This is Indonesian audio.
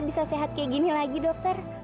bisa sehat kayak gini lagi dokter